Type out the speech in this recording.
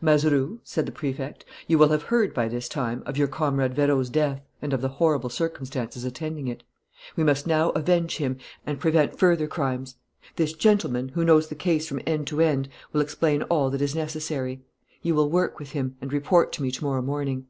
"Mazeroux," said the Prefect, "you will have heard, by this time, of your comrade Vérot's death and of the horrible circumstances attending it. We must now avenge him and prevent further crimes. This gentleman, who knows the case from end to end, will explain all that is necessary. You will work with him and report to me to morrow morning."